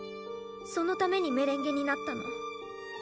そのためにメレンゲになったの。